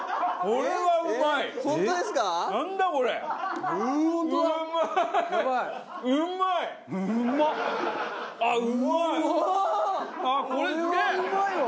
これはうまいわ！